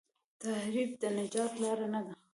تحریف د نجات لار نه ده.